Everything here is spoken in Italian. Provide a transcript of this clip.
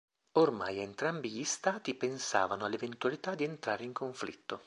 Ormai entrambi gli Stati pensavano all'eventualità di entrare in conflitto.